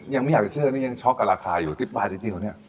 ยังไม่อยากจะเชื่อว่านี่ยังช็อคกับราคาอยู่๑๐บาทนิดนิดเดียวเนี่ย